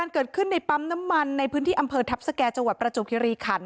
เกิดขึ้นในปั๊มน้ำมันในพื้นที่อำเภอทัพสแก่จังหวัดประจวบคิริขัน